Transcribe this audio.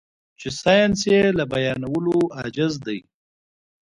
چې ساينس يې له بيانولو عاجز دی.